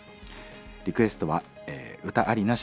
リクエストは歌ありなし